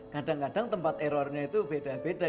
kadang kadang tempat errornya itu beda beda